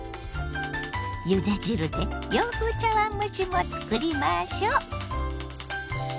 ゆで汁で洋風茶碗蒸しもつくりましょ。